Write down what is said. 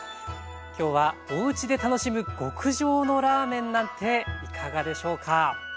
今日はおうちで楽しむ極上のラーメンなんていかがでしょうか。